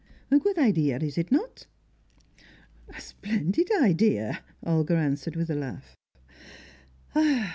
A good idea, is it not?" "A splendid idea," Olga answered, with a laugh. "Ah!